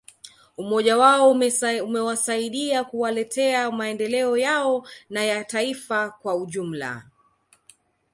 Umoja wao umewasaidia kuwaletea maendeleo yao na ya taifa kwa ujumla